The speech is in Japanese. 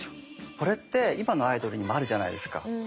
これって今のアイドルにもあるじゃないですか。